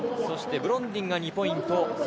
ブロンディンが２ポイント。